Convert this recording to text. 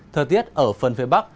thời tiết ở phần phía bắc